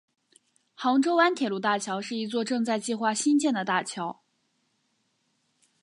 杭州湾铁路大桥是一座正在计划兴建的大桥。